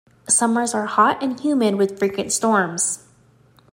Summers are hot and humid with frequent storms.